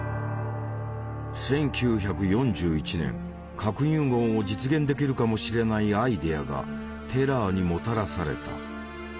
核融合を実現できるかもしれないアイデアがテラーにもたらされた。